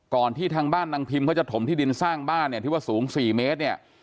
ที่ทางบ้านนางพิมเขาจะถมที่ดินสร้างบ้านเนี่ยที่ว่าสูง๔เมตรเนี่ย